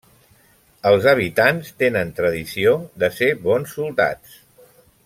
Els habitants tenen tradició de ser bons soldats.